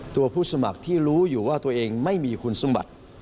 ผู้สมัครที่รู้อยู่ว่าตัวเองไม่มีคุณสมบัติ